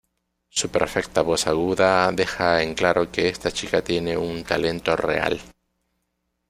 Su perfecta voz aguda deja en claro que esta chica tiene un talento real".